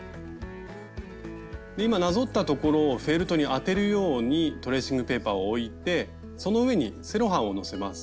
今なぞったところをフェルトに当てるようにトレーシングペーパーを置いてその上にセロハンをのせます。